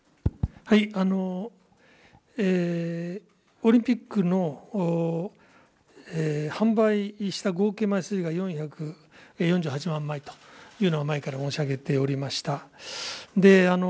オリンピックの販売した合計枚数が４４８万枚というのは、前から申し上げておりました。